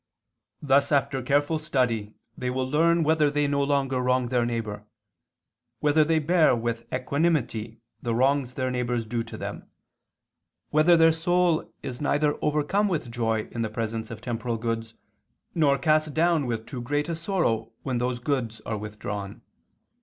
Thus after careful study they will learn whether they no longer wrong their neighbor, whether they bear with equanimity the wrongs their neighbors do to them, whether their soul is neither overcome with joy in the presence of temporal goods, nor cast down with too great a sorrow when those goods are withdrawn.